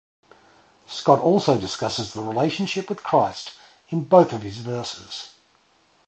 Scott also discusses his relationship with Christ in both of his verses.